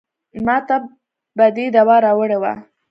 ماته به دې دوا راوړې وه.